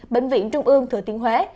bệnh viện trung ương thừa tiên huế